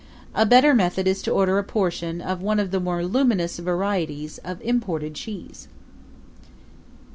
A better method is to order a portion of one of the more luminous varieties of imported cheese.